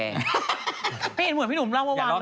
ไม่เห็นเหมือนพี่หนุ่มเล่ามาวางเลย